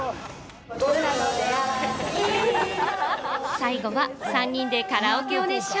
最後は３人でカラオケを熱唱。